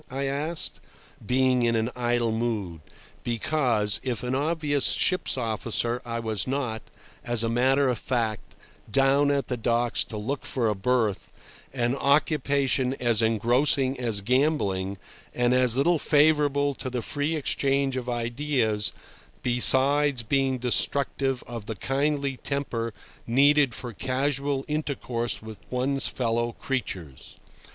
I asked, being in an idle mood, because, if an obvious ship's officer, I was not, as a matter of fact, down at the docks to "look for a berth," an occupation as engrossing as gambling, and as little favourable to the free exchange of ideas, besides being destructive of the kindly temper needed for casual intercourse with one's fellow creatures.